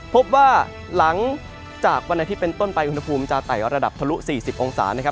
พบว่าหลังจากวันอาทิตย์เป็นต้นไปอุณหภูมิจะไต่ระดับทะลุ๔๐องศานะครับ